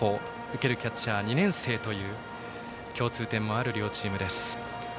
受けるキャッチャーは２年生という共通点もある両チーム。